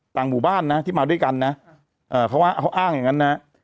ต่างหมู่บ้านนะที่มาด้วยกันนะเขาว่าเขาอ้างอย่างนั้นนะ